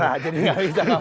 jadi gak bisa kampanye